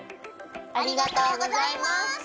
ありがとうございます。